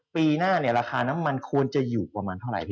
ปีหน้าเนี่ยราคาน้ำมันควรจะอยู่ประมาณเท่าไหร่